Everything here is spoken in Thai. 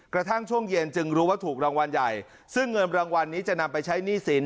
กระทั่งช่วงเย็นจึงรู้ว่าถูกรางวัลใหญ่ซึ่งเงินรางวัลนี้จะนำไปใช้หนี้สิน